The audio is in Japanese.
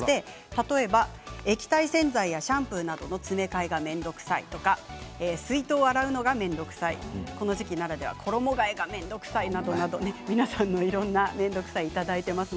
例えば、液体洗剤やシャンプーの詰め替えが面倒くさいとか水筒を洗うのが面倒くさいこの時期ならではの衣がえが面倒くさいなど皆さんのいろんなアイデアをいただいています。